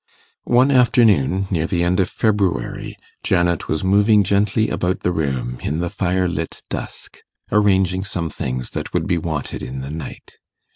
One afternoon, near the end of February, Janet was moving gently about the room, in the fire lit dusk, arranging some things that would be wanted in the night.